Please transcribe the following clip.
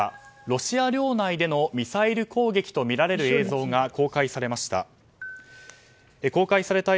ロシア領内でのミサイル攻撃とみられる映像が公開されました。